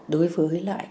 đối với lại